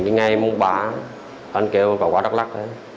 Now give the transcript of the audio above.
đến ngày mùng ba anh kêu có quá rắc rắc